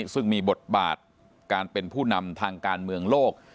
ซึ่งมีบทบาทการเป็นผู้นำทางการเมืองโลก